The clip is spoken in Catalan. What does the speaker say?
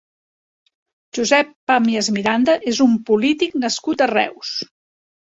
Jose Pamies Miranda és un polític nascut a Reus.